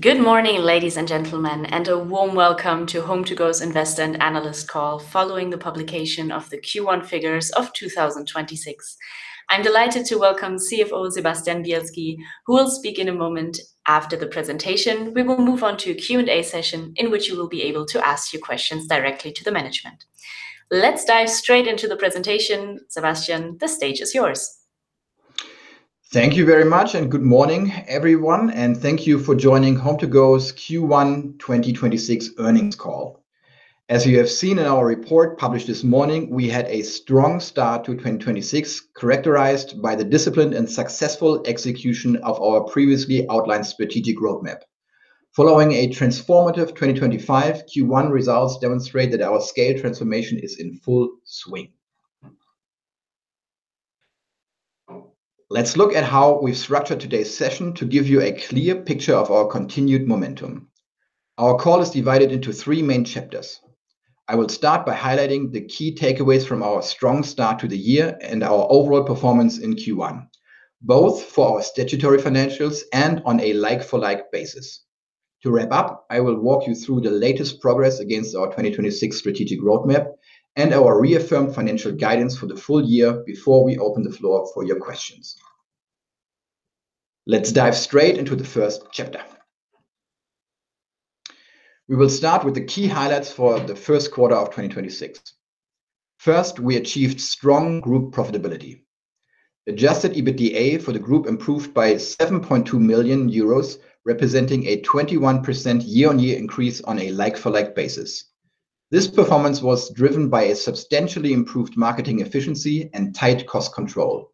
Good morning, ladies and gentlemen, and a warm welcome to HomeToGo's investor and analyst call following the publication of the Q1 figures of 2026. I'm delighted to welcome Chief Financial Officer Sebastian Bielski, who will speak in a moment. After the presentation, we will move on to a Q&A session in which you will be able to ask your questions directly to the management. Let's dive straight into the presentation. Sebastian, the stage is yours. Thank you very much, and good morning, everyone, and thank you for joining HomeToGo's Q1 2026 earnings call. As you have seen in our report published this morning, we had a strong start to 2026, characterized by the disciplined and successful execution of our previously outlined strategic roadmap. Following a transformative 2025, Q1 results demonstrate that our scale transformation is in full swing. Let's look at how we've structured today's session to give you a clear picture of our continued momentum. Our call is divided into three main chapters. I will start by highlighting the key takeaways from our strong start to the year and our overall performance in Q1, both for our statutory financials and on a like-for-like basis. To wrap up, I will walk you through the latest progress against our 2026 strategic roadmap and our reaffirmed financial guidance for the full year before we open the floor for your questions. Let's dive straight into the first chapter. We will start with the key highlights for the first quarter of 2026. First, we achieved strong group profitability. Adjusted EBITDA for the group improved by 7.2 million euros, representing a 21% year-on-year increase on a like-for-like basis. This performance was driven by a substantially improved marketing efficiency and tight cost control.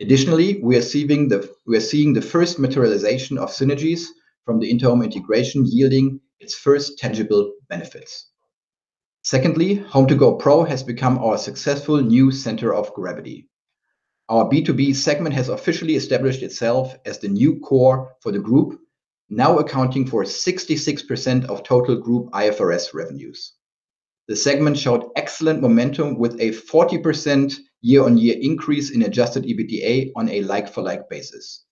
Additionally, we are seeing the first materialization of synergies from the Interhome integration yielding its first tangible benefits. Secondly, HomeToGo Pro has become our successful new center of gravity. Our B2B segment has officially established itself as the new core for the group, now accounting for 66% of total group IFRS revenues. The segment showed excellent momentum with a 40% year-on-year increase in Adjusted EBITDA on a like-for-like basis.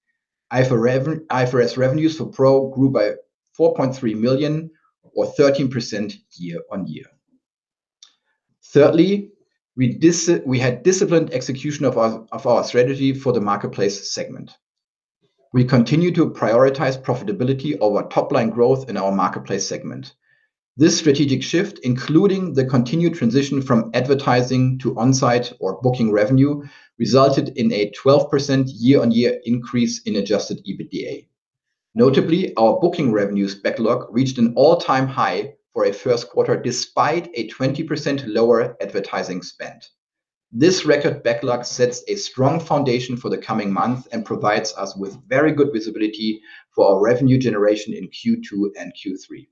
IFRS revenues for Pro grew by 4.3 million or 13% year-on-year. Thirdly, we had disciplined execution of our strategy for the marketplace segment. We continue to prioritize profitability over top-line growth in our marketplace segment. This strategic shift, including the continued transition from advertising to on-site or booking revenue, resulted in a 12% year-on-year increase in Adjusted EBITDA. Notably, our booking revenues backlog reached an all-time high for a first quarter, despite a 20% lower advertising spend. This record backlog sets a strong foundation for the coming month and provides us with very good visibility for our revenue generation in Q2 and Q3.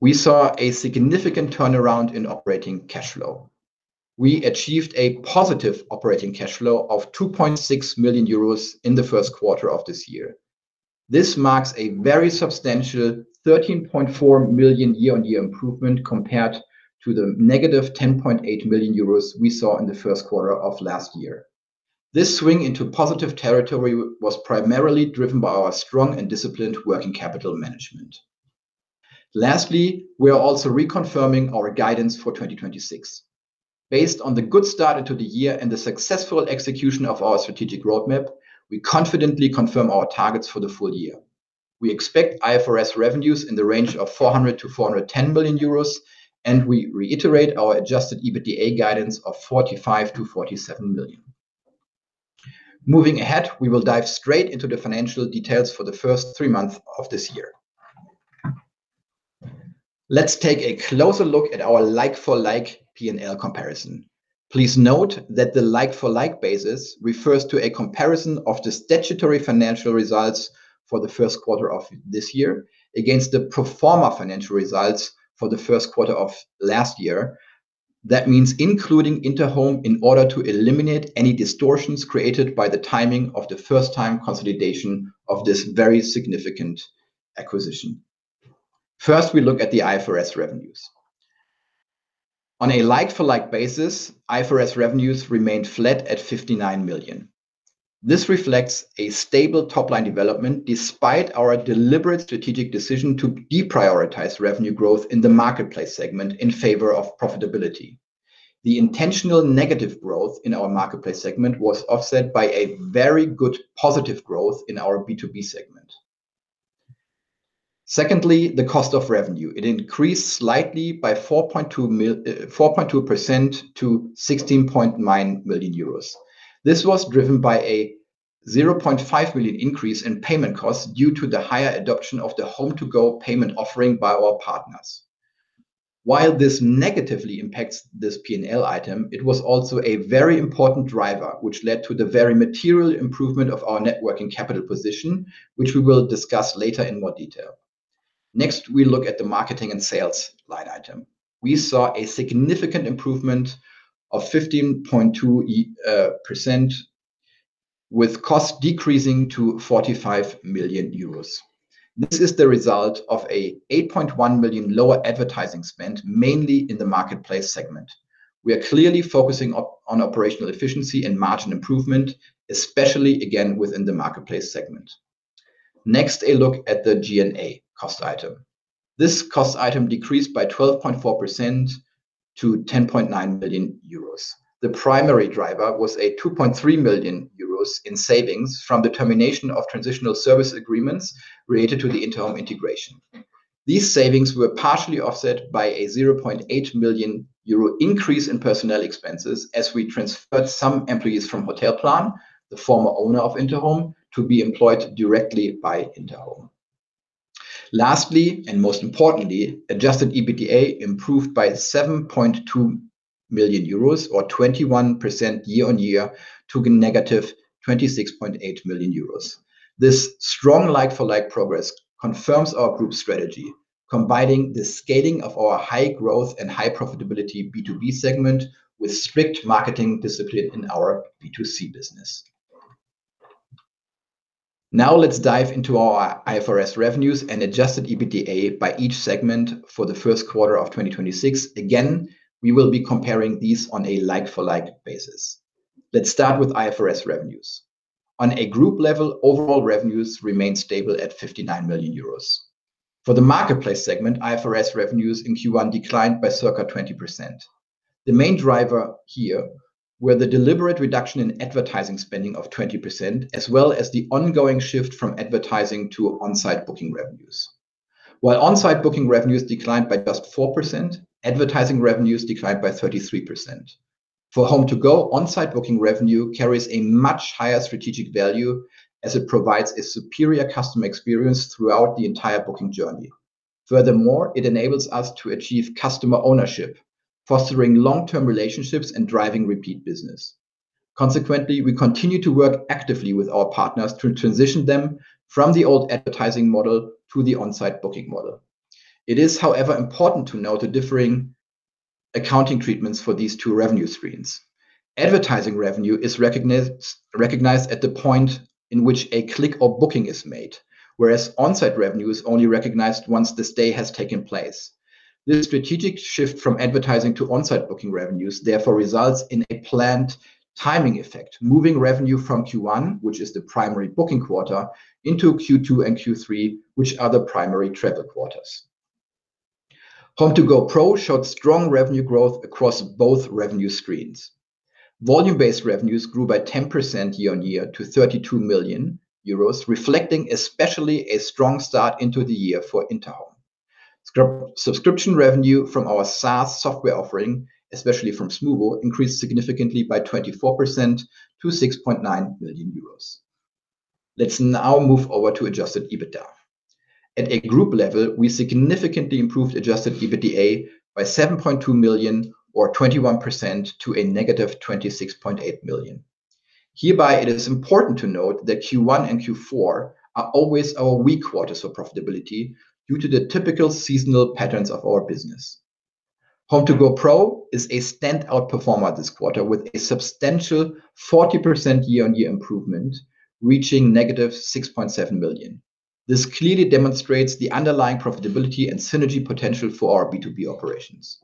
We saw a significant turnaround in operating cash flow. We achieved a positive operating cash flow of 2.6 million euros in the first quarter of this year. This marks a very substantial 13.4 million year-on-year improvement compared to the -10.8 million euros we saw in the first quarter of last year. This swing into positive territory was primarily driven by our strong and disciplined working capital management. We are also reconfirming our guidance for 2026. Based on the good start to the year and the successful execution of our strategic roadmap, we confidently confirm our targets for the full year. We expect IFRS revenues in the range of 400 million-410 million euros, and we reiterate our Adjusted EBITDA guidance of 45 million-47 million. Moving ahead, we will dive straight into the financial details for the first three months of this year. Let's take a closer look at our like-for-like P&L comparison. Please note that the like-for-like basis refers to a comparison of the statutory financial results for the first quarter of this year against the pro forma financial results for the first quarter of last year. That means including Interhome in order to eliminate any distortions created by the timing of the first time consolidation of this very significant acquisition. First, we look at the IFRS revenues. On a like-for-like basis, IFRS revenues remained flat at 59 million. This reflects a stable top-line development despite our deliberate strategic decision to deprioritize revenue growth in the marketplace segment in favor of profitability. The intentional negative growth in our marketplace segment was offset by a very good positive growth in our B2B segment. Secondly, the cost of revenue. It increased slightly by 4.2% to 16.9 million euros. This was driven by a 0.5 million increase in payment costs due to the higher adoption of the HomeToGo Payments offering by our partners. While this negatively impacts this P&L item, it was also a very important driver which led to the very material improvement of our net working capital position, which we will discuss later in more detail. We look at the marketing and sales line item. We saw a significant improvement of 15.2% with cost decreasing to 45 million euros. This is the result of a 8.1 million lower advertising spend, mainly in the marketplace segment. We are clearly focusing on operational efficiency and margin improvement, especially again, within the marketplace segment. Next, a look at the G&A cost item. This cost item decreased by 12.4% to 10.9 million euros. The primary driver was a 2.3 million euros in savings from the termination of transitional service agreements related to the Interhome integration. These savings were partially offset by a 0.8 million euro increase in personnel expenses as we transferred some employees from Hotelplan, the former owner of Interhome, to be employed directly by Interhome. Lastly, and most importantly, Adjusted EBITDA improved by 7.2 million euros, or 21% year-on-year to -26.8 million euros. This strong like-for-like progress confirms our group strategy, combining the scaling of our high growth and high profitability B2B segment with strict marketing discipline in our B2C business. Now let's dive into our IFRS revenues and Adjusted EBITDA by each segment for the first quarter of 2026. Again, we will be comparing these on a like-for-like basis. Let's start with IFRS revenues. On a group level, overall revenues remain stable at 59 million euros. For the marketplace segment, IFRS revenues in Q1 declined by circa 20%. The main driver here were the deliberate reduction in advertising spending of 20% as well as the ongoing shift from advertising to onsite booking revenues. While onsite booking revenues declined by just 4%, advertising revenues declined by 33%. For HomeToGo, onsite booking revenue carries a much higher strategic value as it provides a superior customer experience throughout the entire booking journey. Furthermore, it enables us to achieve customer ownership, fostering long-term relationships and driving repeat business. Consequently, we continue to work actively with our partners to transition them from the old advertising model to the onsite booking model. It is, however, important to note the differing accounting treatments for these two revenue streams. Advertising revenue is recognized at the point in which a click or booking is made, whereas onsite revenue is only recognized once the stay has taken place. The strategic shift from advertising to onsite booking revenues therefore results in a planned timing effect, moving revenue from Q1, which is the primary booking quarter, into Q2 and Q3, which are the primary travel quarters. HomeToGo_PRO showed strong revenue growth across both revenue streams. Volume-based revenues grew by 10% year-on-year to 32 million euros, reflecting especially a strong start into the year for Interhome. Subscription revenue from our SaaS software offering, especially from Smoobu, increased significantly by 24% to 6.9 million euros. Let's now move over to Adjusted EBITDA. At a group level, we significantly improved Adjusted EBITDA by 7.2 million or 21% to a -26.8 million. Hereby, it is important to note that Q1 and Q4 are always our weak quarters for profitability due to the typical seasonal patterns of our business. HomeToGo_PRO is a standout performer this quarter with a substantial 40% year-on-year improvement, reaching -6.7 million. This clearly demonstrates the underlying profitability and synergy potential for our B2B operations.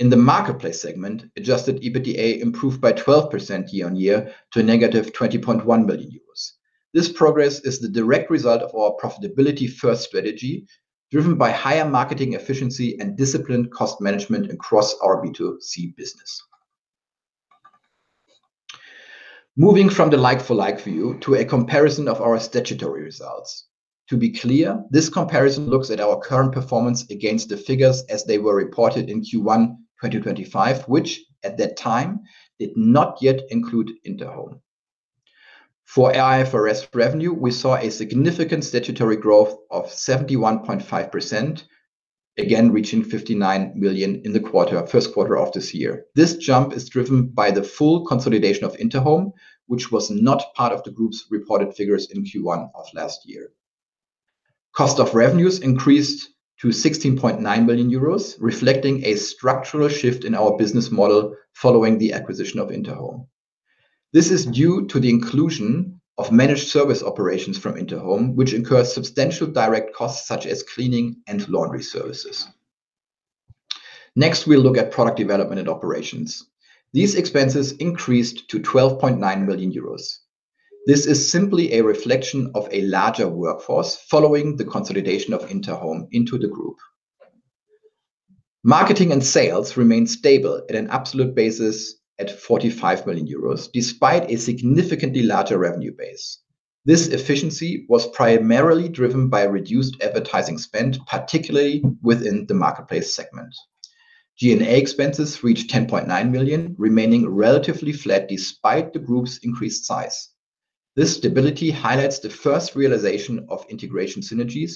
In the marketplace segment, Adjusted EBITDA improved by 12% year-on-year to a -20.1 million euros. This progress is the direct result of our profitability-first strategy, driven by higher marketing efficiency and disciplined cost management across our B2C business. Moving from the like-for-like view to a comparison of our statutory results. To be clear, this comparison looks at our current performance against the figures as they were reported in Q1 2025, which at that time did not yet include Interhome. For IFRS revenue, we saw a significant statutory growth of 71.5%, again reaching 59 million in the first quarter of this year. This jump is driven by the full consolidation of Interhome, which was not part of the group's reported figures in Q1 of last year. Cost of revenues increased to 16.9 million euros, reflecting a structural shift in our business model following the acquisition of Interhome. This is due to the inclusion of managed service operations from Interhome, which incurs substantial direct costs such as cleaning and laundry services. Next, we'll look at product development and operations. These expenses increased to 12.9 million euros. This is simply a reflection of a larger workforce following the consolidation of Interhome into the group. Marketing and sales remained stable at an absolute basis at 45 million euros, despite a significantly larger revenue base. This efficiency was primarily driven by reduced advertising spend, particularly within the marketplace segment. G&A expenses reached 10.9 million, remaining relatively flat despite the group's increased size. This stability highlights the first realization of integration synergies,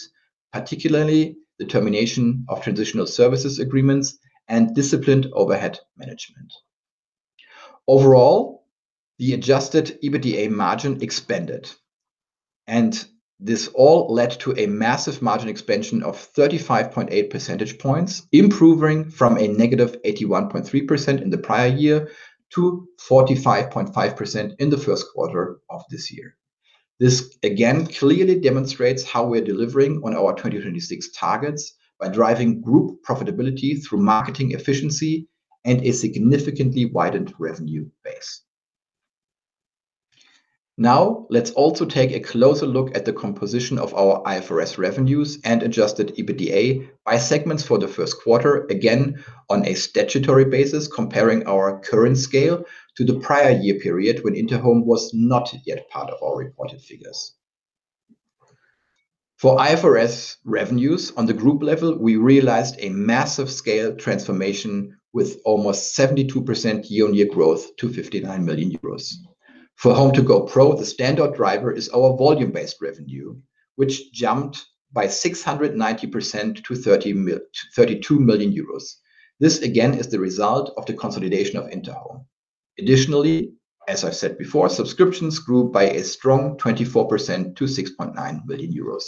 particularly the termination of transitional services agreements and disciplined overhead management. Overall, the Adjusted EBITDA margin expanded, and this all led to a massive margin expansion of 35.8 percentage points, improving from a -81.3% in the prior year to 45.5% in the first quarter of this year. This again clearly demonstrates how we're delivering on our 2026 targets by driving group profitability through marketing efficiency and a significantly widened revenue base. Let's also take a closer look at the composition of our IFRS revenues and Adjusted EBITDA by segments for the first quarter, again, on a statutory basis comparing our current scale to the prior year period when Interhome was not yet part of our reported figures. For IFRS revenues on the group level, we realized a massive scale transformation with almost 72% year-on-year growth to 59 million euros. For HomeToGo_PRO, the standout driver is our volume-based revenue, which jumped by 690% to 32 million euros. This, again, is the result of the consolidation of Interhome. Additionally, as I've said before, subscriptions grew by a strong 24% to 6.9 million euros.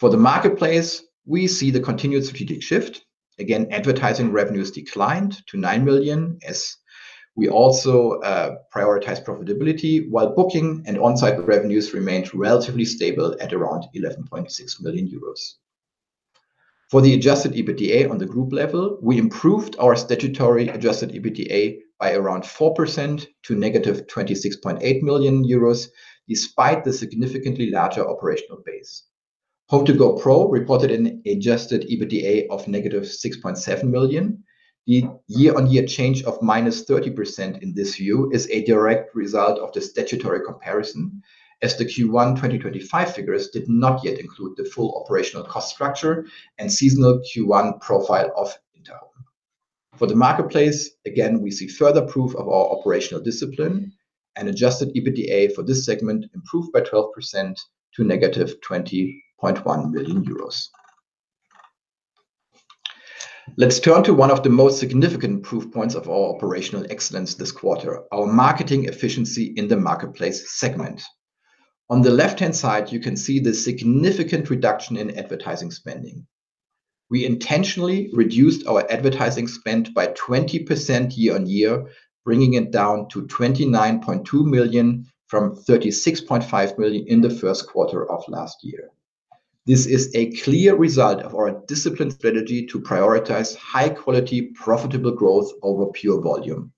For the marketplace, we see the continued strategic shift. Again, advertising revenues declined to 9 million as we also prioritize profitability while booking and on-site revenues remained relatively stable at around 11.6 million euros. For the Adjusted EBITDA on the group level, we improved our statutory Adjusted EBITDA by around 4% to -26.8 million euros despite the significantly larger operational base. HomeToGo_PRO reported an Adjusted EBITDA of -6.7 million. The year-on-year change of -30% in this view is a direct result of the statutory comparison as the Q1 2025 figures did not yet include the full operational cost structure and seasonal Q1 profile of Interhome. For the Marketplace, again, we see further proof of our operational discipline, and Adjusted EBITDA for this segment improved by 12% to EUR -20.1 million. Let's turn to one of the most significant proof points of our operational excellence this quarter, our marketing efficiency in the marketplace segment. On the left-hand side, you can see the significant reduction in advertising spending. We intentionally reduced our advertising spend by 20% year-on-year, bringing it down to 29.2 million from 36.5 million in the first quarter of last year. This is a clear result of our disciplined strategy to prioritize high-quality profitable growth over pure volume.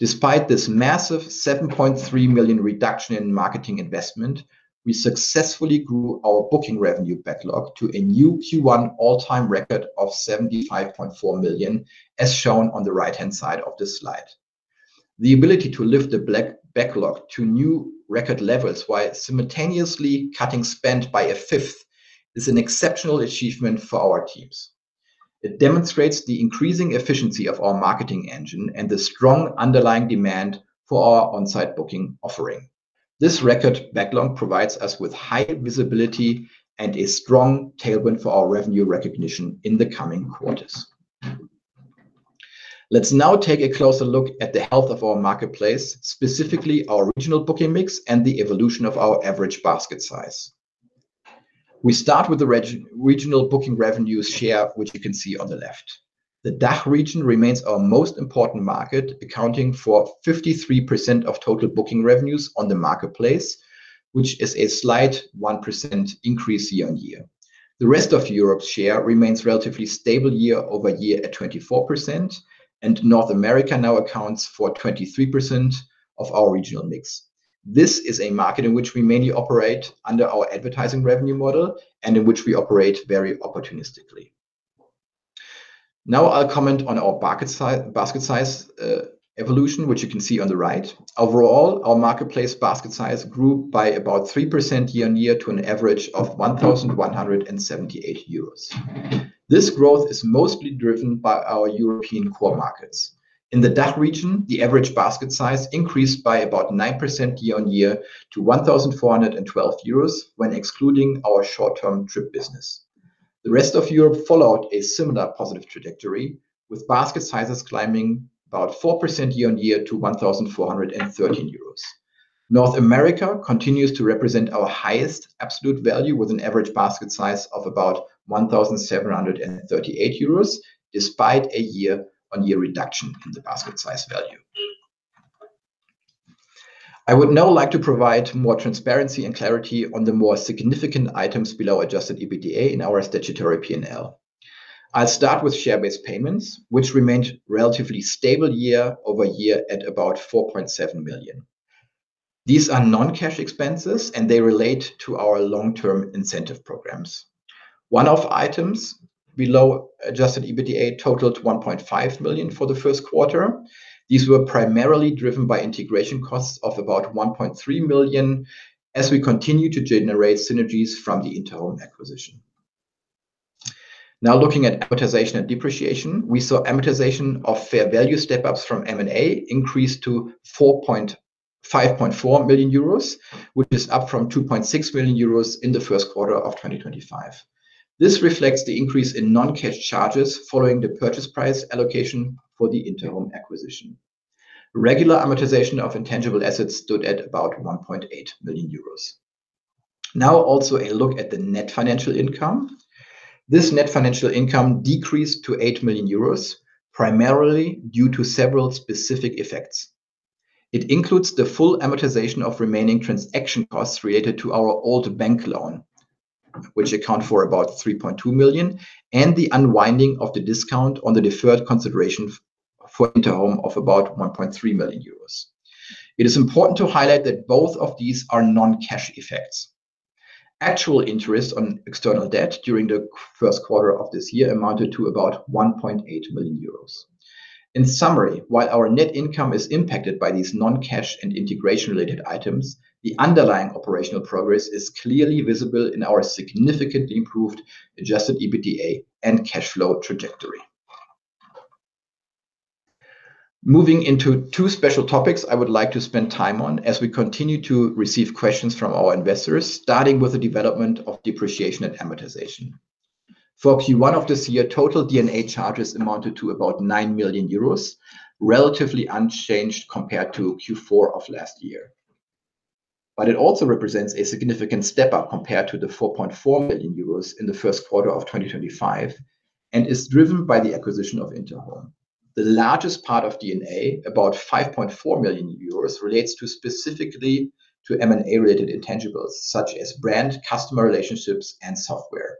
Despite this massive 7.3 million reduction in marketing investment, we successfully grew our booking revenue backlog to a new Q1 all-time record of 75.4 million, as shown on the right-hand side of this slide. The ability to lift the backlog to new record levels while simultaneously cutting spend by a fifth is an exceptional achievement for our teams. It demonstrates the increasing efficiency of our marketing engine and the strong underlying demand for our on-site booking offering. This record backlog provides us with high visibility and a strong tailwind for our revenue recognition in the coming quarters. Let's now take a closer look at the health of our marketplace, specifically our regional booking mix and the evolution of our average basket size. We start with the regional booking revenues share, which you can see on the left. The DACH region remains our most important market, accounting for 53% of total booking revenues on the marketplace, which is a slight 1% increase year-on-year. The rest of Europe's share remains relatively stable year-over-year at 24%, and North America now accounts for 23% of our regional mix. This is a market in which we mainly operate under our advertising revenue model and in which we operate very opportunistically. Now I'll comment on our basket size evolution, which you can see on the right. Overall, our marketplace basket size grew by about 3% year-on-year to an average of 1,178 euros. This growth is mostly driven by our European core markets. In the DACH region, the average basket size increased by about 9% year-on-year to 1,412 euros when excluding our short-term trip business. The rest of Europe followed a similar positive trajectory, with basket sizes climbing about 4% year-on-year to 1,413 euros. North America continues to represent our highest absolute value with an average basket size of about 1,738 euros, despite a year-over-year reduction in the basket size value. I would now like to provide more transparency and clarity on the more significant items below Adjusted EBITDA in our statutory P&L. I'll start with share-based payments, which remained relatively stable year-over-year at about 4.7 million. These are non-cash expenses, and they relate to our long-term incentive programs. One-off items below Adjusted EBITDA totaled 1.5 million for the first quarter. These were primarily driven by integration costs of about 1.3 million as we continue to generate synergies from the Interhome acquisition. Looking at amortization and depreciation, we saw amortization of fair value step-ups from M&A increase to 5.4 million euros, which is up from 2.6 million euros in the first quarter of 2025. This reflects the increase in non-cash charges following the purchase price allocation for the Interhome acquisition. Regular amortization of intangible assets stood at about 1.8 million euros. Also a look at the net financial income. This net financial income decreased to 8 million euros, primarily due to several specific effects. It includes the full amortization of remaining transaction costs related to our old bank loan, which account for about 3.2 million, and the unwinding of the discount on the deferred consideration for Interhome of about 1.3 million euros. It is important to highlight that both of these are non-cash effects. Actual interest on external debt during the Q1 of this year amounted to about 1.8 million euros. In summary, while our net income is impacted by these non-cash and integration-related items, the underlying operational progress is clearly visible in our significantly improved Adjusted EBITDA and cash flow trajectory. Moving into two special topics I would like to spend time on as we continue to receive questions from our investors, starting with the development of depreciation and amortization. For Q1 of this year, total D&A charges amounted to about 9 million euros, relatively unchanged compared to Q4 of last year. It also represents a significant step-up compared to the 4.4 million euros in the Q1 2025, and is driven by the acquisition of Interhome. The largest part of D&A, about 5.4 million euros, relates to specifically to M&A-related intangibles such as brand, customer relationships, and software.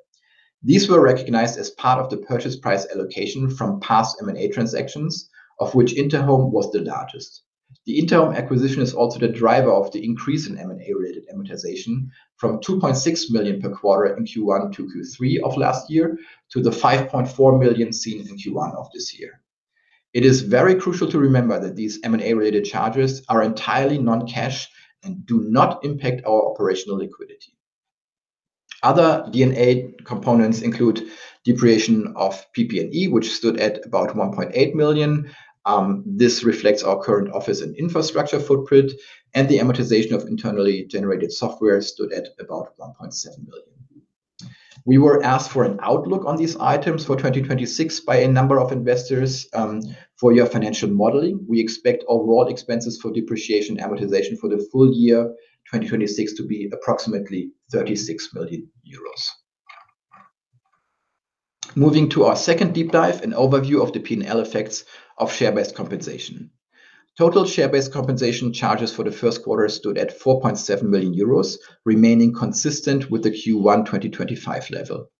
These were recognized as part of the purchase price allocation from past M&A transactions, of which Interhome was the largest. The Interhome acquisition is also the driver of the increase in M&A-related amortization from 2.6 million per quarter in Q1 to Q3 of last year to the 5.4 million seen in Q1 of this year. It is very crucial to remember that these M&A-related charges are entirely non-cash and do not impact our operational liquidity. Other D&A components include depreciation of PP&E, which stood at about 1.8 million. This reflects our current office and infrastructure footprint, and the amortization of internally generated software stood at about 1.7 million. We were asked for an outlook on these items for 2026 by a number of investors for your financial modeling. We expect overall expenses for depreciation amortization for the full year 2026 to be approximately 36 million euros. Moving to our second deep dive, an overview of the P&L effects of share-based compensation. Total share-based compensation charges for the first quarter stood at 4.7 million euros, remaining consistent with the Q1 2025 level.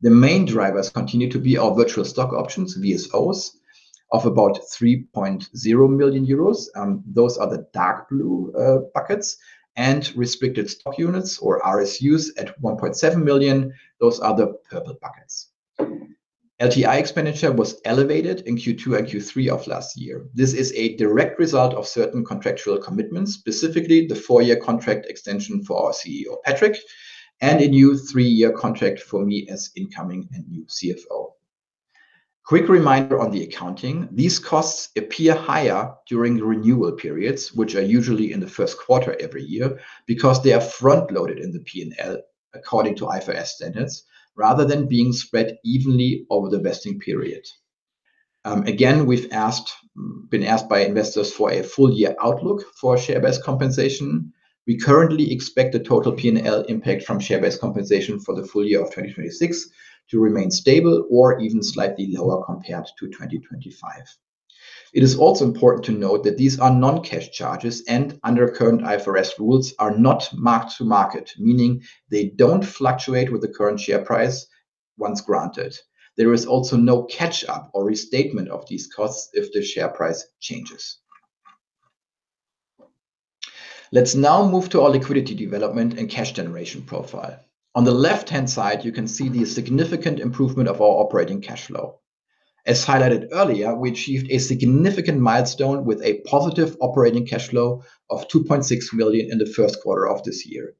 The main drivers continue to be our virtual stock options, VSOs, of about 3.0 million euros, those are the dark blue buckets, and restricted stock units, or RSUs, at 1.7 million, those are the purple buckets. LTI expenditure was elevated in Q2 and Q3 of last year. This is a direct result of certain contractual commitments, specifically the four-year contract extension for our Chief Executive Officer, Patrick, and a new three-year contract for me as incoming and new Chief Financial Officer. Quick reminder on the accounting. These costs appear higher during renewal periods, which are usually in the first quarter every year, because they are front-loaded in the P&L according to IFRS standards, rather than being spread evenly over the vesting period. Again, we've been asked by investors for a full-year outlook for share-based compensation. We currently expect the total P&L impact from share-based compensation for the full year of 2026 to remain stable or even slightly lower compared to 2025. It is also important to note that these are non-cash charges, and under current IFRS rules, are not marked to market, meaning they don't fluctuate with the current share price once granted. There is also no catch-up or restatement of these costs if the share price changes. Let's now move to our liquidity development and cash generation profile. On the left-hand side, you can see the significant improvement of our operating cash flow. As highlighted earlier, we achieved a significant milestone with a positive operating cash flow of 2.6 million in the first quarter of this year.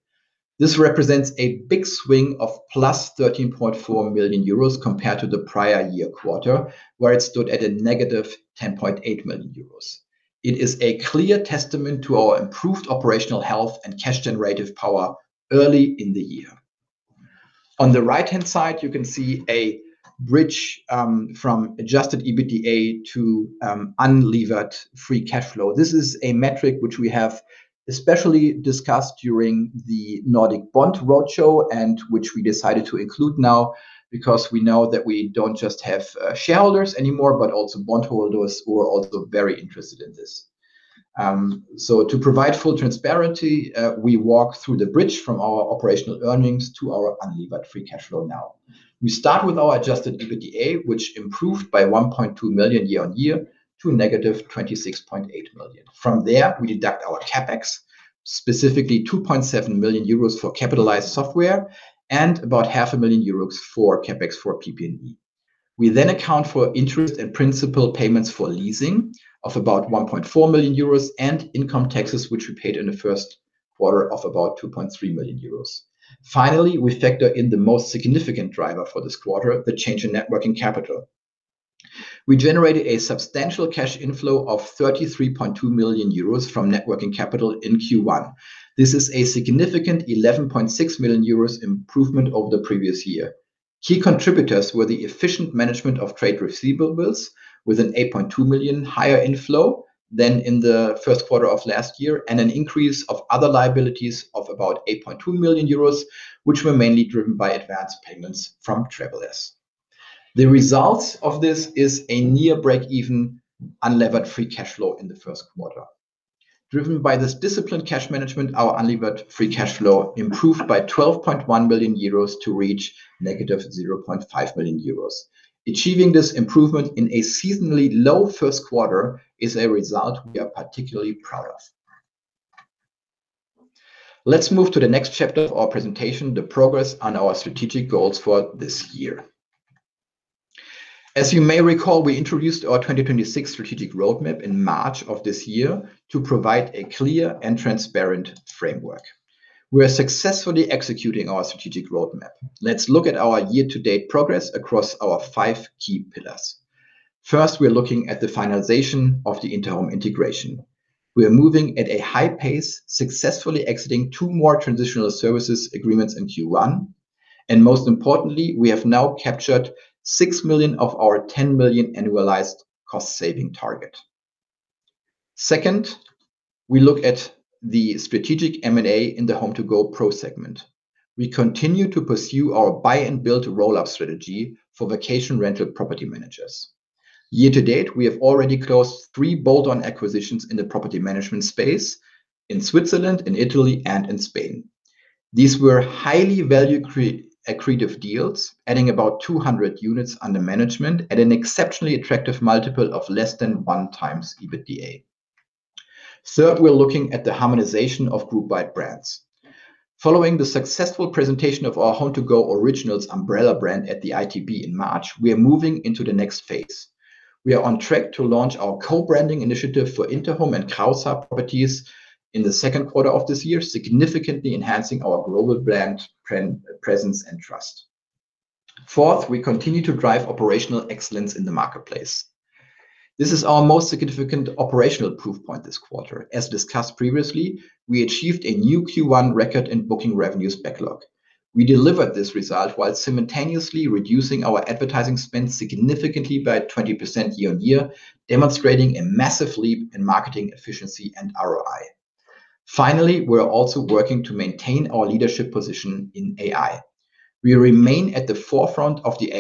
This represents a big swing of +13.4 million euros compared to the prior year quarter, where it stood at -10.8 million euros. It is a clear testament to our improved operational health and cash generative power early in the year. On the right-hand side, you can see a bridge from Adjusted EBITDA to unlevered free cash flow. This is a metric which we have especially discussed during the Nordic Bond Roadshow, which we decided to include now because we know that we don't just have shareholders anymore, but also bondholders who are also very interested in this. To provide full transparency, we walk through the bridge from our operational earnings to our unlevered free cash flow now. We start with our Adjusted EBITDA, which improved by 1.2 million year-on-year to -26.8 million. From there, we deduct our CapEx, specifically 2.7 million euros for capitalized software and about 500,000 euros for CapEx for PP&E. We then account for interest and principal payments for leasing of about 1.4 million euros and income taxes, which we paid in the first quarter of about 2.3 million euros. Finally, we factor in the most significant driver for this quarter, the change in net working capital. We generated a substantial cash inflow of 33.2 million euros from net working capital in Q1. This is a significant 11.6 million euros improvement over the previous year. Key contributors were the efficient management of trade receivables with an 8.2 million higher inflow than in the first quarter of last year, and an increase of other liabilities of about 8.2 million euros, which were mainly driven by advanced payments from travelers. The result of this is a near break-even unlevered free cash flow in the first quarter. Driven by this disciplined cash management, our unlevered free cash flow improved by 12.1 million euros to reach -0.5 million euros. Achieving this improvement in a seasonally low first quarter is a result we are particularly proud of. Let's move to the next chapter of our presentation, the progress on our strategic goals for this year. As you may recall, we introduced our 2026 strategic roadmap in March of this year to provide a clear and transparent framework. We are successfully executing our strategic roadmap. Let's look at our year-to-date progress across our five key pillars. First, we're looking at the finalization of the Interhome integration. We are moving at a high pace, successfully exiting two more transitional services agreements in Q1, and most importantly, we have now captured 6 million of our 10 million annualized cost-saving target. Second, we look at the strategic M&A in the HomeToGo_PRO segment. We continue to pursue our buy and build roll-up strategy for vacation rental property managers. Year to date, we have already closed three bolt-on acquisitions in the property management space in Switzerland, in Italy, and in Spain. These were highly value accretive deals, adding about 200 units under management at an exceptionally attractive multiple of less than 1x EBITDA. Third, we're looking at the harmonization of group-wide brands. Following the successful presentation of our HomeToGo Originals umbrella brand at the ITB in March, we are moving into the next phase. We are on track to launch our co-branding initiative for Interhome and Casamundo properties in the second quarter of this year, significantly enhancing our global brand presence and trust. Fourth, we continue to drive operational excellence in the marketplace. This is our most significant operational proof point this quarter. As discussed previously, we achieved a new Q1 record in booking revenues backlog. We delivered this result while simultaneously reducing our advertising spend significantly by 20% year-on-year, demonstrating a massive leap in marketing efficiency and ROI. Finally, we're also working to maintain our leadership position in AI. We remain at the forefront of the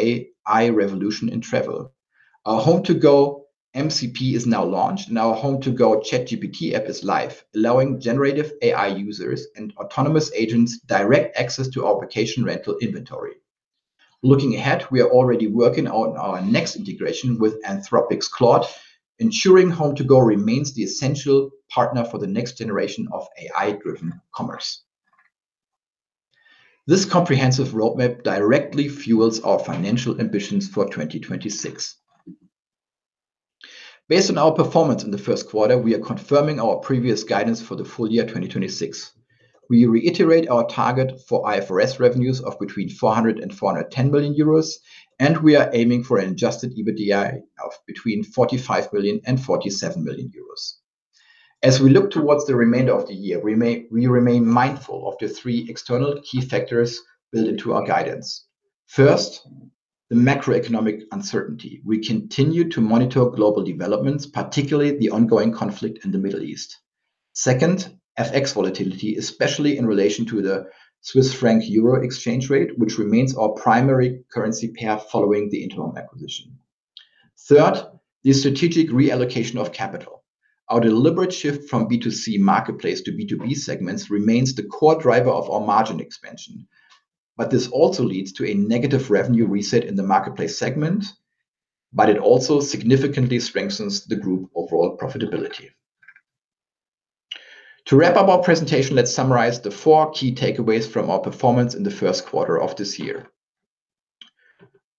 AI revolution in travel. Our HomeToGo MCP is now launched, and our HomeToGo ChatGPT app is live, allowing generative AI users and autonomous agents direct access to our vacation rental inventory. Looking ahead, we are already working on our next integration with Anthropic's Claude, ensuring HomeToGo remains the essential partner for the next generation of AI-driven commerce. This comprehensive roadmap directly fuels our financial ambitions for 2026. Based on our performance in the first quarter, we are confirming our previous guidance for the full year 2026. We reiterate our target for IFRS revenues of between 400 million-410 million euros, and we are aiming for an Adjusted EBITDA of between 45 million-47 million euros. As we look towards the remainder of the year, we remain mindful of the three external key factors built into our guidance. First, the macroeconomic uncertainty. We continue to monitor global developments, particularly the ongoing conflict in the Middle East. Second, FX volatility, especially in relation to the Swiss franc-euro exchange rate, which remains our primary currency pair following the Interhome acquisition. Third, the strategic reallocation of capital. Our deliberate shift from B2C marketplace to B2B segments remains the core driver of our margin expansion. This also leads to a negative revenue reset in the marketplace segment, but it also significantly strengthens the group overall profitability. To wrap up our presentation, let's summarize the four key takeaways from our performance in the first quarter of this year.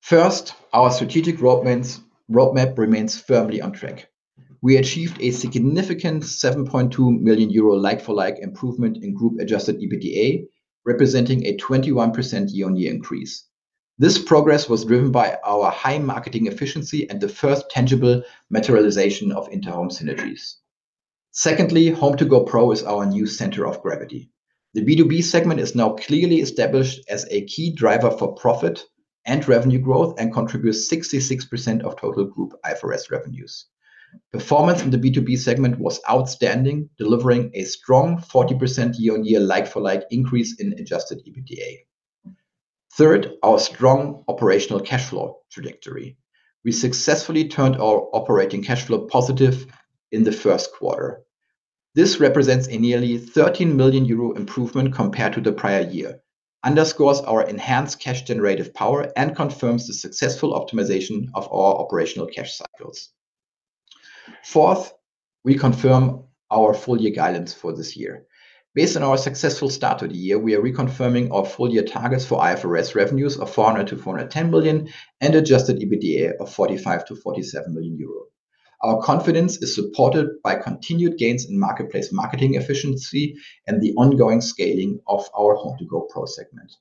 First, our strategic roadmap remains firmly on track. We achieved a significant 7.2 million euro like-for-like improvement in group Adjusted EBITDA, representing a 21% year-on-year increase. This progress was driven by our high marketing efficiency and the first tangible materialization of Interhome synergies. Secondly, HomeToGo_PRO is our new center of gravity. The B2B segment is now clearly established as a key driver for profit and revenue growth and contributes 66% of total group IFRS revenues. Performance in the B2B segment was outstanding, delivering a strong 40% year-on-year like-for-like increase in Adjusted EBITDA. Third, our strong operational cash flow trajectory. We successfully turned our operating cash flow positive in the first quarter. This represents a nearly 13 million euro improvement compared to the prior year, underscores our enhanced cash generative power, and confirms the successful optimization of our operational cash cycles. Fourth, we confirm our full year guidance for this year. Based on our successful start to the year, we are reconfirming our full year targets for IFRS revenues of 400 million-410 million and Adjusted EBITDA of 45 million-47 million euro. Our confidence is supported by continued gains in marketplace marketing efficiency and the ongoing scaling of our HomeToGo_PRO segment.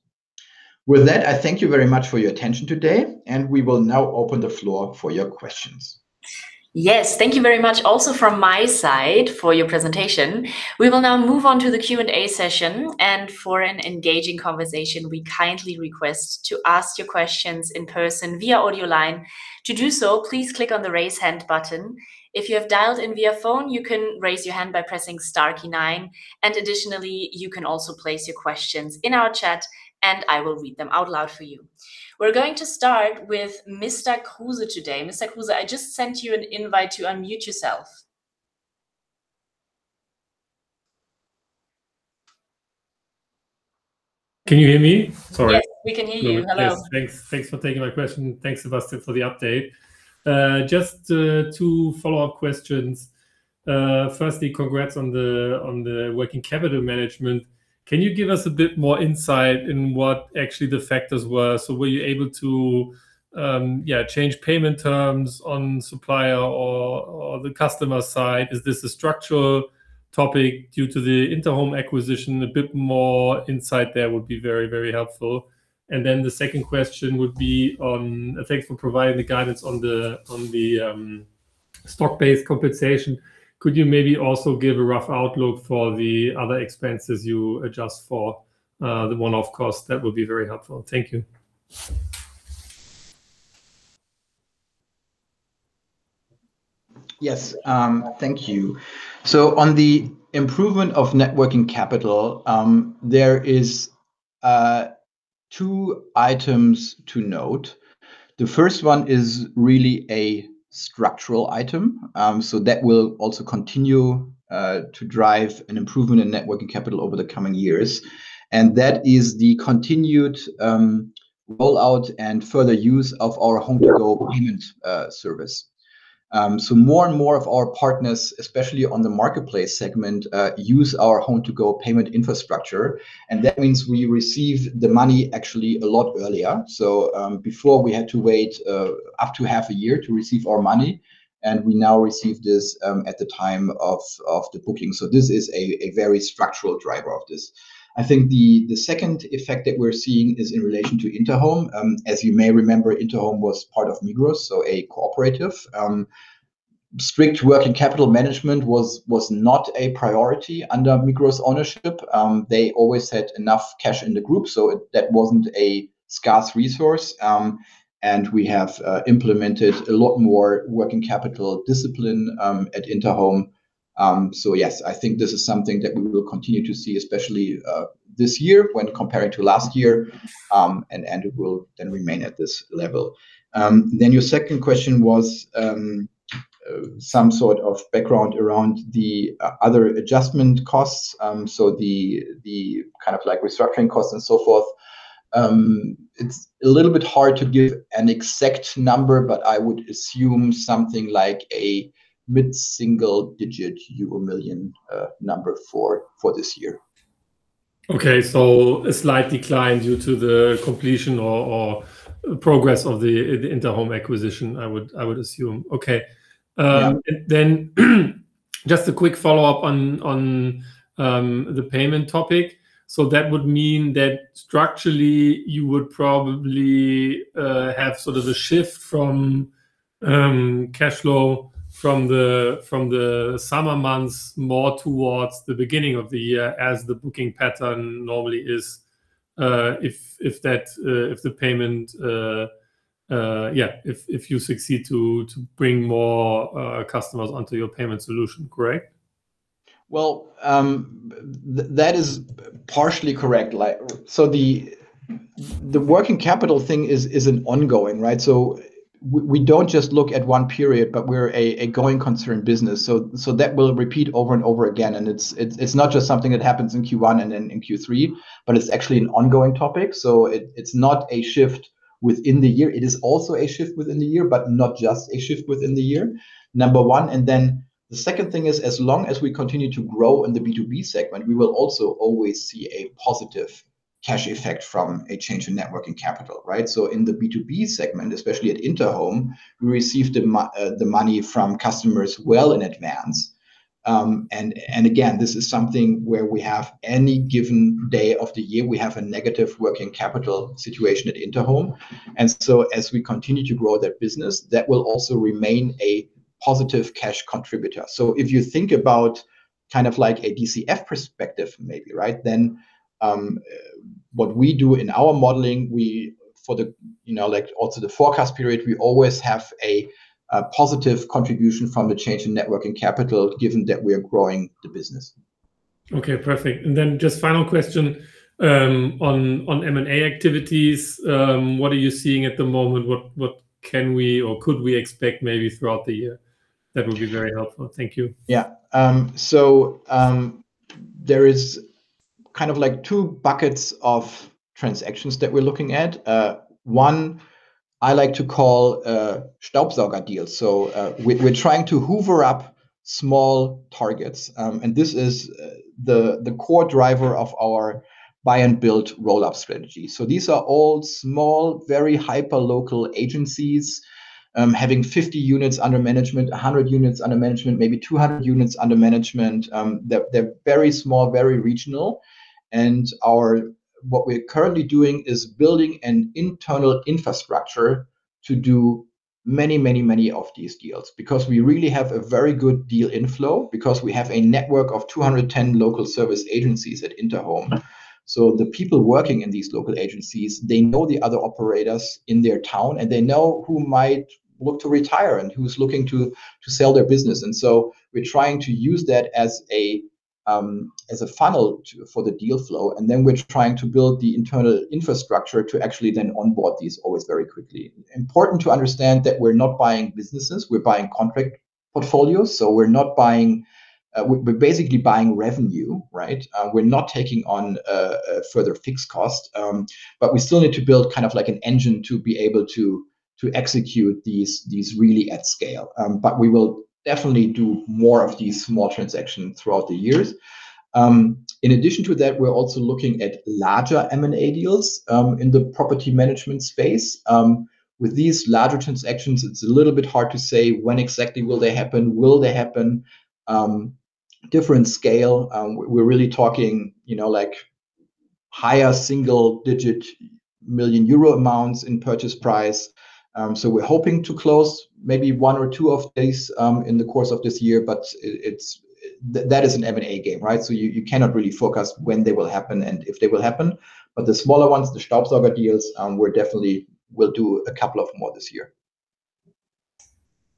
With that, I thank you very much for your attention today, and we will now open the floor for your questions. Yes. Thank you very much also from my side for your presentation. We will now move on to the Q&A session. For an engaging conversation, we kindly request to ask your questions in person via audio line. To do so, please click on the Raise Hand button. If you have dialed in via phone, you can raise your hand by pressing star key nine. Additionally, you can also place your questions in our chat. I will read them out loud for you. We're going to start with Mr. Kruse today. Mr. Kruse, I just sent you an invite to unmute yourself. Can you hear me? Sorry. Yes, we can hear you. Hello. Yes. Thanks for taking my question. Thanks, Sebastian, for the update. Just two follow-up questions. Firstly, congrats on the working capital management. Can you give us a bit more insight in what actually the factors were? Were you able to, yeah, change payment terms on supplier or the customer side? Is this a structural topic due to the Interhome acquisition? A bit more insight there would be very, very helpful. The second question would be on, thanks for providing the guidance on the stock-based compensation. Could you maybe also give a rough outlook for the other expenses you adjust for the one-off cost? That would be very helpful. Thank you. Yes. Thank you. On the improvement of net working capital, there is two items to note. The first one is really a structural item. That will also continue to drive an improvement in net working capital over the coming years, and that is the continued rollout and further use of our HomeToGo Payments service. More and more of our partners, especially on the marketplace segment, use our HomeToGo Payments infrastructure, and that means we receive the money actually a lot earlier. Before we had to wait up to half a year to receive our money, and we now receive this at the time of the booking. This is a very structural driver of this. I think the second effect that we're seeing is in relation to Interhome. As you may remember, Interhome was part of Migros, so a cooperative. Strict working capital management was not a priority under Migros ownership. They always had enough cash in the group, so that wasn't a scarce resource. We have implemented a lot more working capital discipline at Interhome. Yes, I think this is something that we will continue to see, especially this year when comparing to last year. It will then remain at this level. Your second question was some sort of background around the other adjustment costs. The kind of like restructuring costs and so forth. It's a little bit hard to give an exact number, but I would assume something like a mid-single digit euro million number for this year. Okay. A slight decline due to the completion or progress of the Interhome acquisition, I would assume. Okay. Yeah. Then just a quick follow-up on the payment topic. That would mean that structurally you would probably have sort of a shift from cashflow from the summer months more towards the beginning of the year as the booking pattern normally is, if that, if the payment, if you succeed to bring more customers onto your payment solution. Correct? That is partially correct. The working capital thing is an ongoing, right? We don't just look at one period, but we're a going concern business. That will repeat over and over again. It's not just something that happens in Q1 and in Q3, but it's actually an ongoing topic. It's not a shift within the year. It is also a shift within the year, but not just a shift within the year, number one. The second thing is, as long as we continue to grow in the B2B segment, we will also always see a positive cash effect from a change in net working capital, right? In the B2B segment, especially at Interhome, we receive the money from customers well in advance. Again, this is something where we have any given day of the year, we have a negative working capital situation at Interhome. As we continue to grow that business, that will also remain a positive cash contributor. If you think about kind of like a DCF perspective maybe, right? What we do in our modeling, we, for the, you know, like also the forecast period, we always have a positive contribution from the change in net working capital given that we are growing the business. Okay. Perfect. Just final question, on M&A activities. What are you seeing at the moment? What, what can we or could we expect maybe throughout the year? That would be very helpful. Thank you. There is kind of like two buckets of transactions that we're looking at. One I like to call Staubsauger deals. We're trying to hoover up small targets. And this is the core driver of our buy and build roll-up strategy. These are all small, very hyper-local agencies, having 50 units under management, 100 units under management, maybe 200 units under management. They're very small, very regional. What we're currently doing is building an internal infrastructure to do many of these deals. Because we really have a very good deal inflow, because we have a network of 210 local service agencies at Interhome. The people working in these local agencies, they know the other operators in their town, and they know who might look to retire and who's looking to sell their business. We're trying to use that as a funnel to, for the deal flow. We're trying to build the internal infrastructure to actually then onboard these always very quickly. Important to understand that we're not buying businesses, we're buying contract portfolios. We're not buying, we're basically buying revenue, right? We're not taking on further fixed cost. We still need to build kind of like an engine to be able to execute these really at scale. We will definitely do more of these small transactions throughout the years. In addition to that, we're also looking at larger M&A deals in the property management space. With these larger transactions, it's a little bit hard to say when exactly will they happen? Different scale. We're really talking, you know, like higher single-digit million EUR amounts in purchase price. We're hoping to close maybe one or two of these in the course of this year, but it's that is an M&A game, right? You cannot really forecast when they will happen and if they will happen. The smaller ones, the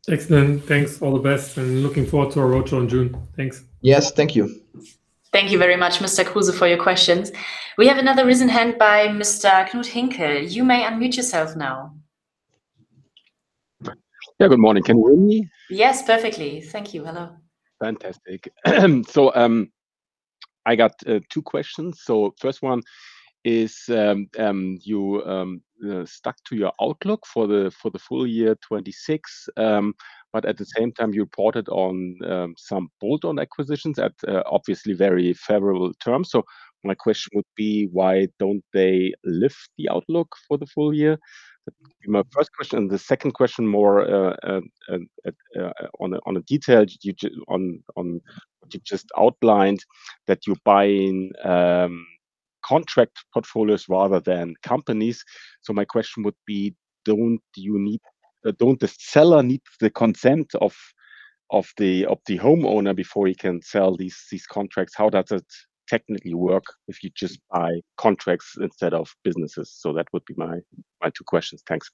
Excellent. Thanks. All the best, and looking forward to our roadshow in June. Thanks. Yes, thank you. Thank you very much, Mr. Kruse for your questions. We have another risen hand by Mr. Knut Hinkel. You may unmute yourself now. Yeah. Good morning. Can you hear me? Yes, perfectly. Thank you. Hello. Fantastic. I got two questions. First one is, you stuck to your outlook for the full year 2026. At the same time, you reported on some bolt-on acquisitions at obviously very favorable terms. My question would be why don't they lift the outlook for the full year? That would be my first question. The second question more on a detail. You just outlined that you're buying contract portfolios rather than companies. My question would be, don't you need, don't the seller need the consent of the homeowner before he can sell these contracts? How does it technically work if you just buy contracts instead of businesses? That would be my two questions. Thanks.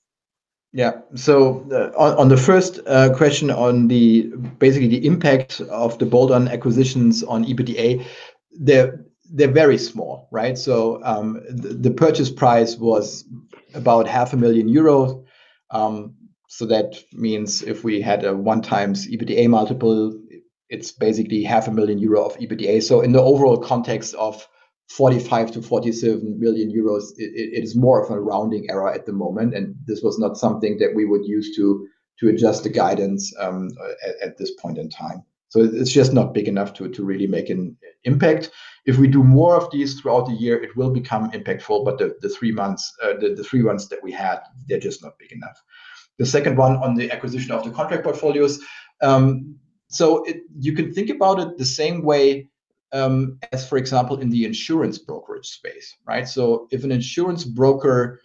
On the first question on the impact of the bolt-on acquisitions on EBITDA, they're very small, right? The purchase price was about 0.5 million euros. That means if we had a 1x EBITDA multiple, it's basically 0.5 million euro of EBITDA. In the overall context of 45 million-47 million euros, it is more of a rounding error at the moment, and this was not something that we would use to adjust the guidance at this point in time. It's just not big enough to really make an impact. If we do more of these throughout the year, it will become impactful. The three months that we had, they're just not big enough. The second one on the acquisition of the contract portfolios. You can think about it the same way as, for example, in the insurance brokerage space, right? If an insurance broker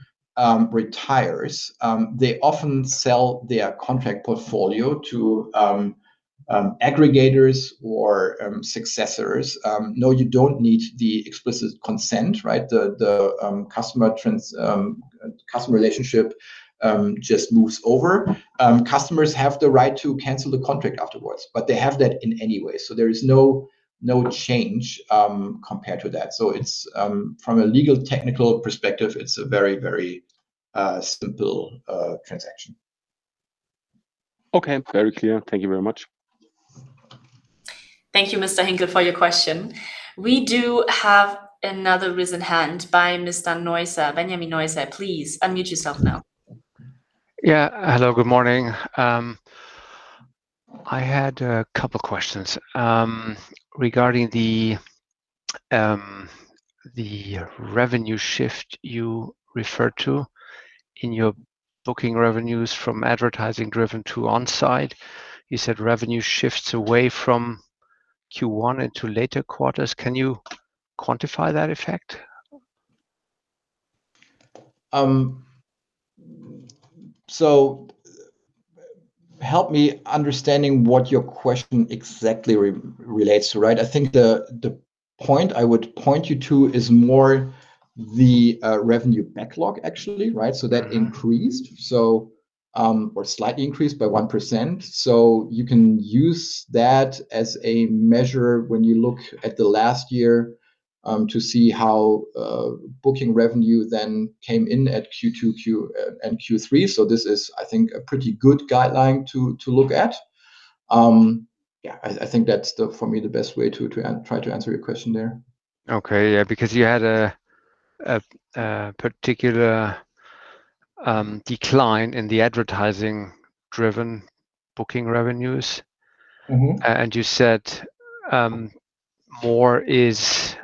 retires, they often sell their contract portfolio to aggregators or successors. No, you don't need the explicit consent, right? The customer relationship just moves over. Customers have the right to cancel the contract afterwards, but they have that in any way. There is no change compared to that. It's from a legal technical perspective, it's a very, very simple transaction. Okay. Very clear. Thank you very much. Thank you, Mr. Hinkel, for your question. We do have another risen hand by Mr. Neuser, Benjamin Neuser. Please unmute yourself now. Hello. Good morning. I had a couple questions, regarding the revenue shift you referred to in your booking revenues from advertising driven to on-site. You said revenue shifts away from Q1 into later quarters. Can you quantify that effect? Help me understanding what your question exactly relates to, right? I think the point I would point you to is more the revenue backlog actually, right? That increased or slightly increased by 1%. You can use that as a measure when you look at the last year to see how booking revenue then came in at Q2 and Q3. This is, I think, a pretty good guideline to look at. Yeah, I think that's, for me, the best way to try to answer your question there. Okay. Yeah, because you had a particular decline in the advertising driven booking revenues and you said, more is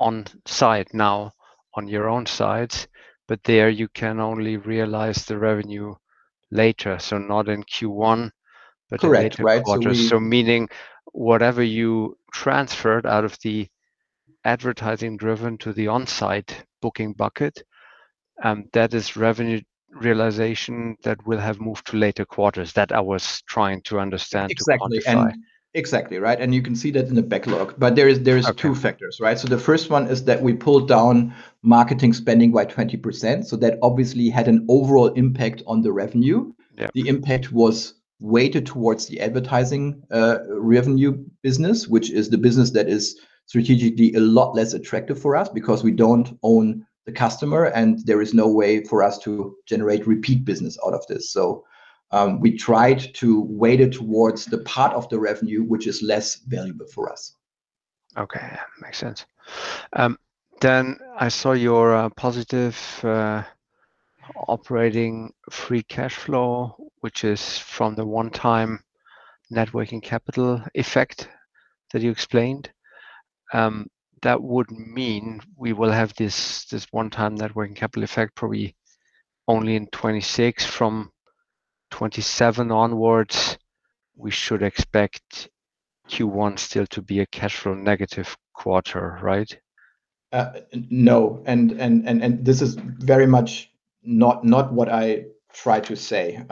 on site now on your own site, but there you can only realize the revenue later, so not in Q1, but in later quarters. Correct. Right. Meaning whatever you transferred out of Advertising driven to the onsite booking bucket, that is revenue realization that will have moved to later quarters. That I was trying to understand to quantify. Exactly, right? You can see that in the backlog. Okay two factors, right? The first one is that we pulled down marketing spending by 20%, so that obviously had an overall impact on the revenue. Yeah. The impact was weighted towards the advertising revenue business, which is the business that is strategically a lot less attractive for us because we don't own the customer, and there is no way for us to generate repeat business out of this. We tried to weight it towards the part of the revenue which is less valuable for us. Okay. Makes sense. I saw your positive operating free cash flow, which is from the one-time net working capital effect that you explained. That would mean we will have this one-time net working capital effect probably only in 2026. From 2027 onwards, we should expect Q1 still to be a cash flow negative quarter, right? No. This is very much not what I try to say.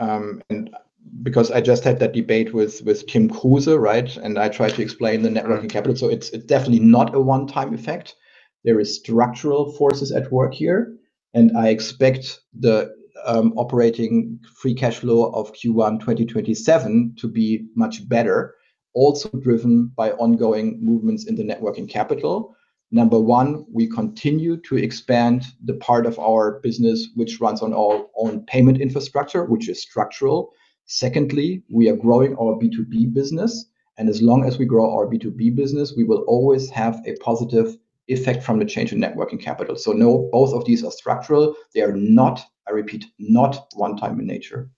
Because I just had that debate with Tim Kruse, right? I tried to explain the net working capital, so it's definitely not a one-time effect. There are structural forces at work here, and I expect the operating free cash flow of Q1 2027 to be much better, also driven by ongoing movements in the net working capital. Number one, we continue to expand the part of our business which runs on our own payment infrastructure, which is structural. Secondly, we are growing our B2B business, and as long as we grow our B2B business, we will always have a positive effect from the change in net working capital. No, both of these are structural. They are not, I repeat, not one time in nature.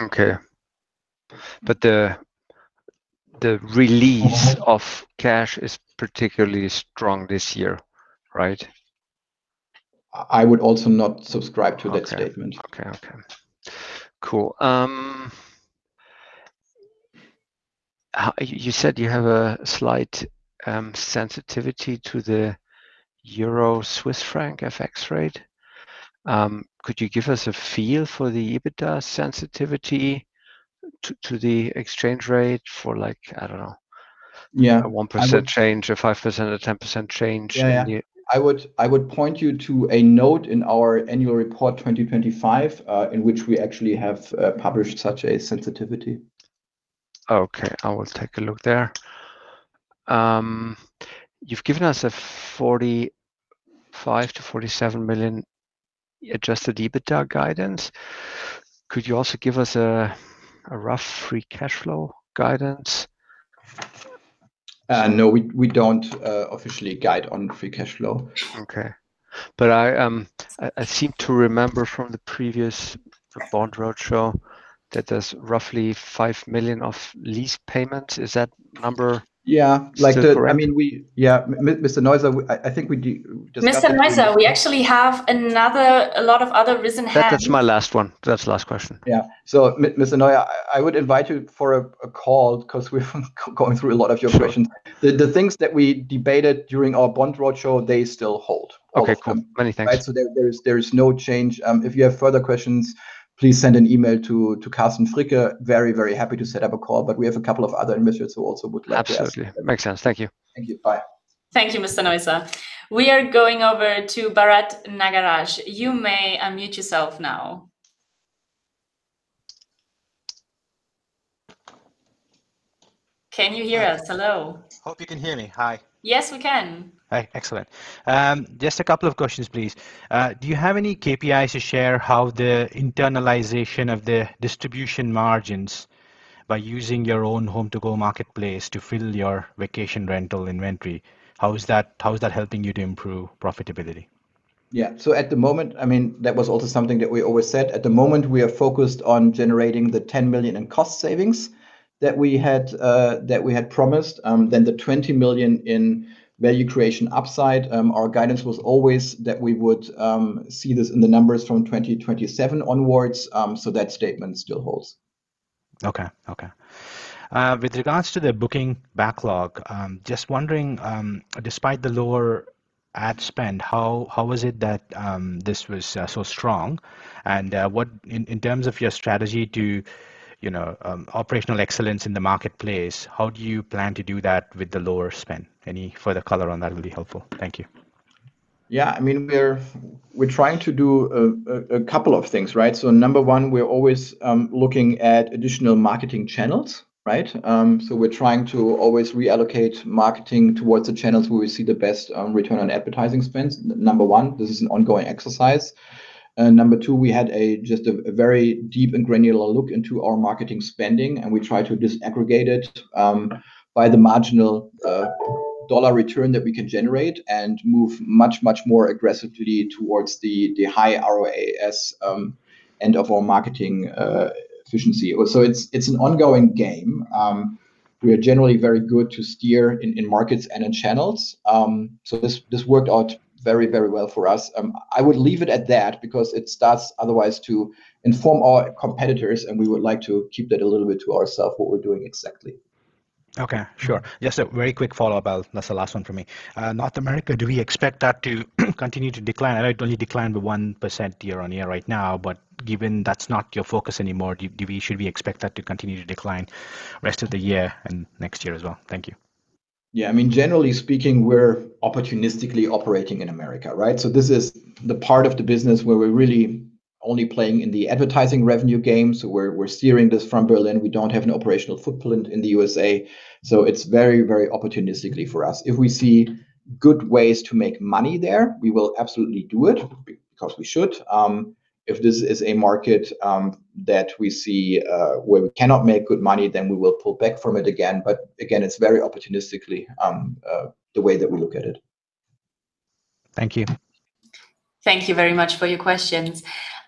Okay. The release of cash is particularly strong this year, right? I would also not subscribe to that statement. Okay. Cool. You said you have a slight sensitivity to the EUR/CHF FX rate. Could you give us a feel for the EBITDA sensitivity to the exchange rate for like, I don't know. Yeah. a 1% change, a 5%, a 10% change in your. Yeah. I would point you to a note in our annual report 2025, in which we actually have published such a sensitivity. Okay. I will take a look there. You've given us a 45 million-47 million Adjusted EBITDA guidance. Could you also give us a rough free cash flow guidance? No. We don't officially guide on free cash flow. Okay. I seem to remember from the previous Bond Roadshow that there's roughly 5 million of lease payments. Is that number? Yeah. Like. still correct? I mean, we Yeah. Mr. Neuser, I think we discussed that. Mr. Neuser, we actually have a lot of other risen hands. That is my last one. That is the last question. Yeah. Mr. Neuser, I would invite you for a call, 'cause we've gone through a lot of your questions. Sure. The things that we debated during our Bond Roadshow, they still hold. Okay, cool. Many thanks. Right? There is no change. If you have further questions, please send an email to Carsten Fricke. Very happy to set up a call. We have a couple of other investors who also would like to ask you. Absolutely. Makes sense. Thank you. Thank you. Bye. Thank you, Mr. Neuser. We are going over to Bharat Nagaraj. You may unmute yourself now. Can you hear us? Hello. Hope you can hear me. Hi. Yes, we can. Hi. Excellent. Just a couple of questions, please. Do you have any KPIs to share how the internalization of the distribution margins by using your own HomeToGo Marketplace to fill your vacation rental inventory, how is that helping you to improve profitability? Yeah. At the moment, I mean, that was also something that we always said. At the moment, we are focused on generating the 10 million in cost savings that we had that we had promised, then the 20 million in value creation upside. Our guidance was always that we would see this in the numbers from 2027 onwards. That statement still holds. Okay. Okay. With regards to the booking backlog, just wondering, despite the lower ad spend, how was it that this was so strong? In terms of your strategy to, you know, operational excellence in the marketplace, how do you plan to do that with the lower spend? Any further color on that will be helpful. Thank you. I mean, we're trying to do a couple of things, right? Number one, we're always looking at additional marketing channels, right? We're trying to always reallocate marketing towards the channels where we see the best return on advertising spends. Number one, this is an ongoing exercise. Number two, we had a very deep and granular look into our marketing spending, and we try to disaggregate it by the marginal dollar return that we can generate and move much more aggressively towards the high ROAS end of our marketing efficiency. It's an ongoing game. We are generally very good to steer in markets and in channels. This worked out very well for us. I would leave it at that because it starts otherwise to inform our competitors, and we would like to keep that a little bit to ourselves, what we're doing exactly. Okay, sure. Just a very quick follow-up. That's the last one from me. North America, do we expect that to continue to decline? I know it only declined by 1% year-on-year right now. Given that's not your focus anymore, should we expect that to continue to decline rest of the year and next year as well? Thank you. I mean, generally speaking, we're opportunistically operating in America, right? This is the part of the business where we're really only playing in the advertising revenue game, so we're steering this from Berlin. We don't have an operational footprint in the USA, so it's very, very opportunistically for us. If we see good ways to make money there, we will absolutely do it because we should. If this is a market that we see where we cannot make good money, then we will pull back from it again. Again, it's very opportunistically the way that we look at it. Thank you. Thank you very much for your questions.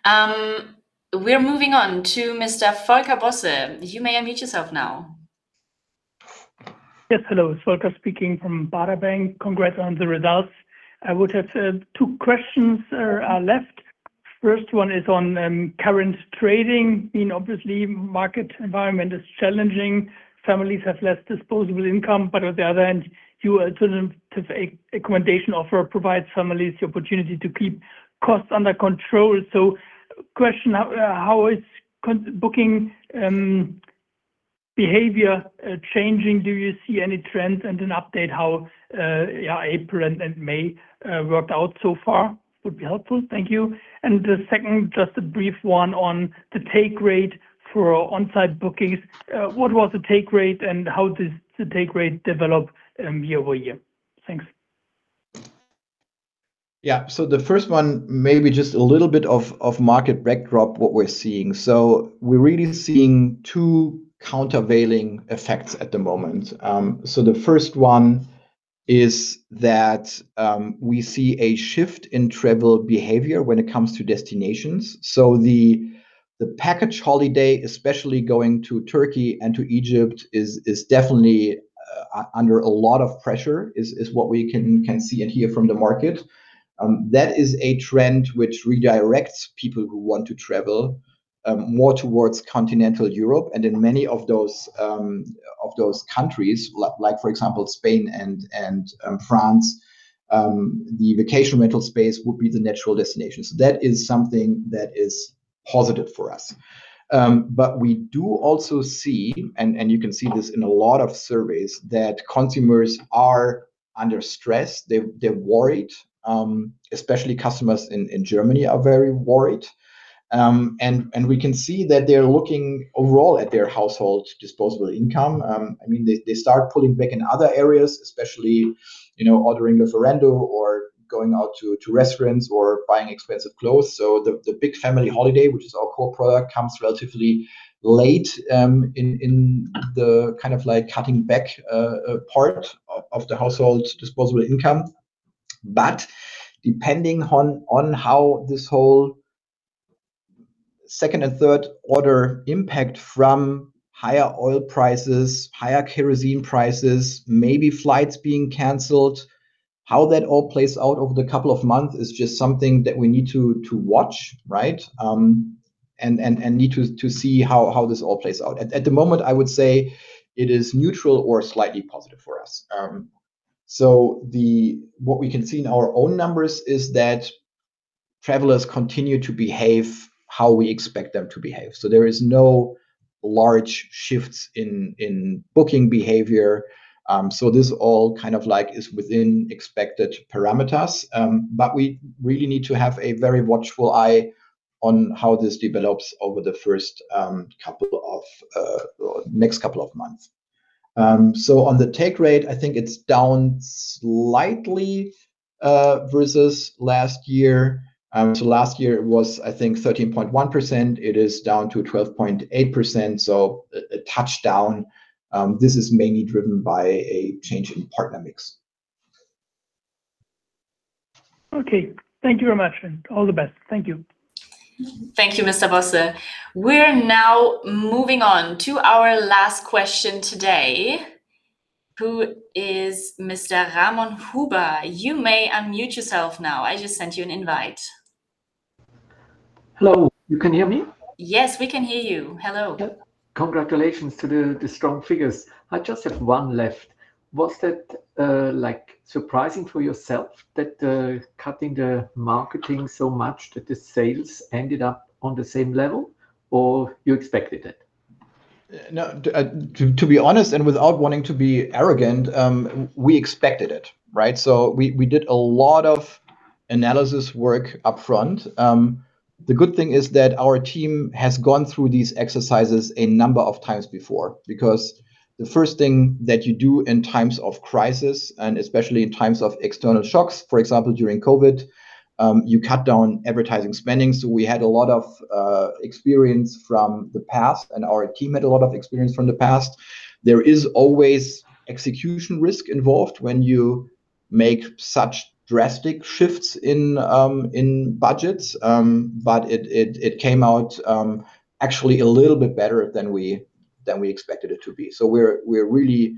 We're moving on to Mr. Volker Bosse. You may unmute yourself now. Yes, hello. Volker speaking from Baader Bank. Congrats on the results. I would have two questions left. First one is on current trading. I mean, obviously market environment is challenging. Families have less disposable income, but on the other hand, you sort of accommodation offer provides families the opportunity to keep costs under control. Question, how is booking behavior changing? Do you see any trends? An update how, yeah, April and May worked out so far would be helpful. Thank you. The second, just a brief one on the take rate for onsite bookings. What was the take rate, and how does the take rate develop year-over-year? Thanks. The first one, maybe just a little bit of market backdrop what we're seeing. We're really seeing two countervailing effects at the moment. The first one is that we see a shift in travel behavior when it comes to destinations. The package holiday, especially going to Turkey and to Egypt is definitely under a lot of pressure, is what we can see and hear from the market. That is a trend which redirects people who want to travel more towards continental Europe. In many of those of those countries, like for example Spain and France, the vacation rental space would be the natural destination. That is something that is positive for us. We do also see, you can see this in a lot of surveys, that consumers are under stress. They're worried. Especially customers in Germany are very worried. We can see that they're looking overall at their household disposable income. I mean, they start pulling back in other areas, especially, you know, ordering off of Lieferando or going out to restaurants or buying expensive clothes. The big family holiday, which is our core product, comes relatively late in the kind of, like, cutting back part of the household disposable income. Depending on how this whole second order and third order impact from higher oil prices, higher kerosene prices, maybe flights being canceled, how that all plays out over the couple of months is just something that we need to watch, right? And need to see how this all plays out. At the moment, I would say it is neutral or slightly positive for us. What we can see in our own numbers is that travelers continue to behave how we expect them to behave, so there is no large shifts in booking behavior. This all kind of, like, is within expected parameters. We really need to have a very watchful eye on how this develops over the first couple of or next couple of months. On the take rate, I think it's down slightly versus last year. Last year it was, I think, 13.1%. It is down to 12.8%, so a touch down. This is mainly driven by a change in partner mix. Okay. Thank you very much, and all the best. Thank you. Thank you, Mr. Bosse. We're now moving on to our last question today, who is Mr. Ramon Huber. You may unmute yourself now. I just sent you an invite. Hello. You can hear me? Yes, we can hear you. Hello. Yep. Congratulations to the strong figures. I just have one left. Was that, like surprising for yourself that, cutting the marketing so much that the sales ended up on the same level, or you expected it? No, to be honest, and without wanting to be arrogant, we expected it, right? We, we did a lot of analysis work upfront. The good thing is that our team has gone through these exercises a number of times before, because the first thing that you do in times of crisis, and especially in times of external shocks, for example during COVID, you cut down advertising spending. We had a lot of experience from the past, and our team had a lot of experience from the past. There is always execution risk involved when you make such drastic shifts in budgets. But it came out actually a little bit better than we expected it to be. We're really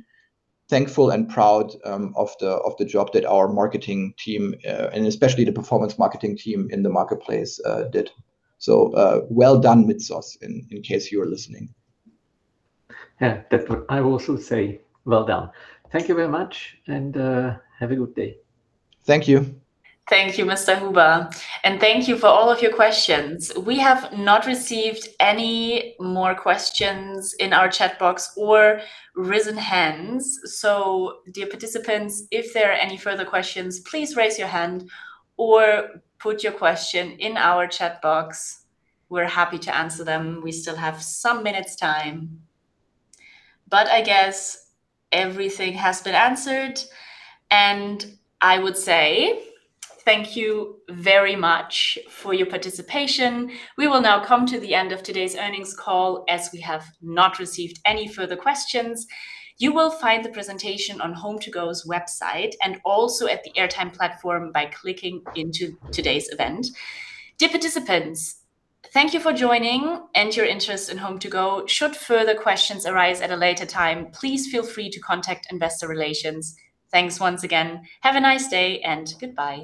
thankful and proud of the job that our marketing team and especially the performance marketing team in the marketplace did. Well done, Mitzos, in case you are listening. Yeah, that what I also say. Well done. Thank you very much, and have a good day. Thank you. Thank you, Mr. Huber, and thank you for all of your questions. We have not received any more questions in our chat box or risen hands, so dear participants, if there are any further questions, please raise your hand or put your question in our chat box. We're happy to answer them. We still have some minutes' time. I guess everything has been answered, and I would say thank you very much for your participation. We will now come to the end of today's earnings call, as we have not received any further questions. You will find the presentation on HomeToGo's website, and also at the Airtime platform by clicking into today's event. Dear participants, thank you for joining and your interest in HomeToGo. Should further questions arise at a later time, please feel free to contact investor relations. Thanks once again. Have a nice day, and goodbye.